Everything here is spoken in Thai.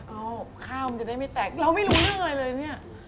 เอาข้าวมันจะได้ไม่แตกเราไม่รู้เรื่องอะไรเลยเนี่ย